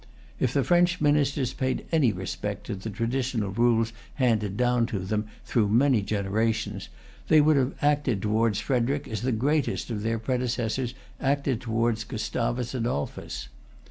If the French ministers paid any respect to the traditional rules handed down to them through many generations, they would have acted towards Frederic as the greatest of their predecessors acted towards Gustavus Adolphus.